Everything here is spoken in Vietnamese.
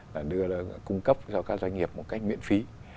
và đưa ra cung cấp cho các doanh nghiệp một cách miễn phí